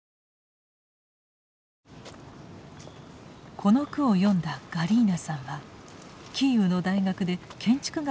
この句を詠んだガリーナさんはキーウの大学で建築学を教えています。